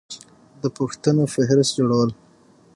د پوښتنو فهرست جوړول